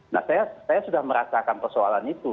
nah saya sudah merasakan persoalan itu